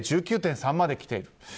１９．３まできている。